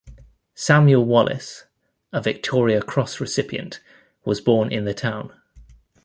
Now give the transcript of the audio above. Samuel Wallace, a Victoria Cross recipient, was born in the town.